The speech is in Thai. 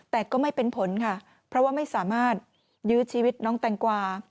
แต่ก็ไม่เป็นผลค่ะเพราะว่าไม่สามารถยื้อชีวิตน้องแตงกวา